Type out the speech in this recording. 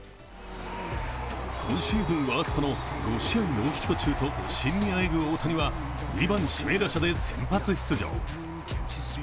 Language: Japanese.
今シーズンワーストの５試合ノーヒット中と不振にあえぐ大谷は２番・指名打者で先発出場。